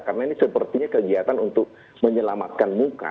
karena ini sepertinya kegiatan untuk menyelamatkan muka